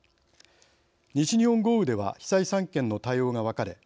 西日本豪雨では被災３県の対応が分かれ